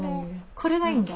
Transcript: これがいいんだ。